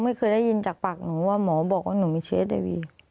ไม่เคยได้ยินจากปากหนูว่าหมอบอกว่าหนูมีเชฟเลยวี